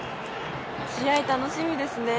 試合楽しみですね。